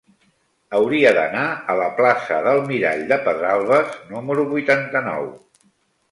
Hauria d'anar a la plaça del Mirall de Pedralbes número vuitanta-nou.